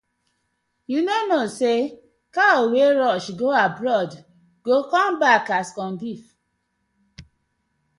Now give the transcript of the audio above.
Yu no kno say cow wey rush go abroad go come back as corn beef.